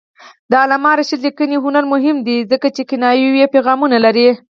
د علامه رشاد لیکنی هنر مهم دی ځکه چې کنایوي پیغامونه لري.